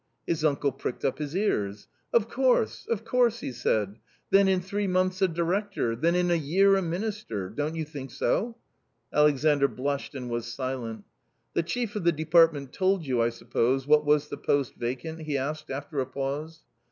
His uncle pricked up his ears. " Of course, of course !" he said :" then in three months a director ; then in a year a minister ; don't you think so ?" Alexandr blushed and was silent. " The chief of the department told you, I suppose, what was the post vacant ?" he asked after a pause.